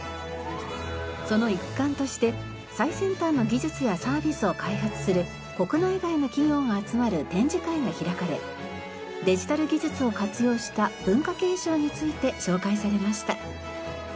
その一環として最先端の技術やサービスを開発する国内外の企業が集まる展示会が開かれデジタル技術を活用した文化継承について紹介されました。